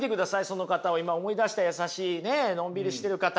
その方を今思い出した優しいのんびりしてる方。